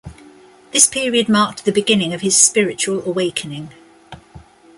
This period marked the beginning of his spiritual awakening.